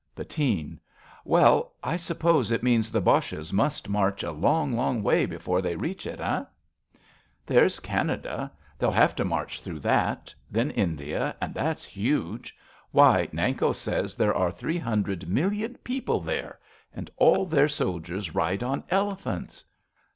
Bettine. Well, I suppose it means the Boches must march A long, long way before they reach it, eh? 39 RADA There's Canada. They'll have to march through that. Then India, and that's huge. Why, Nanko says There are three hundred million people there, And all their soldiers ride on elephants.